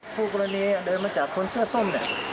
ผู้กรณีเดินมาจากขนเสื้อส้น